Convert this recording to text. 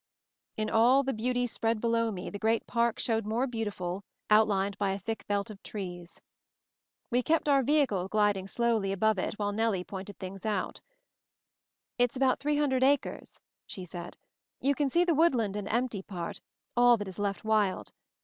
In all the beauty spread below me, the great park showed more beautiful, outlined by a thick belt of trees. We kept our vehicle gliding slowly above it while Nellie pointed things out. "It's about 300 acres," she said. "You can see the woodland and empty part — all that is left wild.